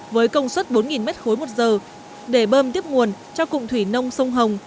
với công suất bốn m ba một giờ để bơm tiếp nguồn cho cụm thủy nông sông hồng